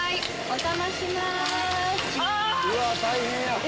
お邪魔します。